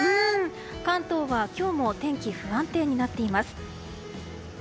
関東は今日も天気不安定になっています。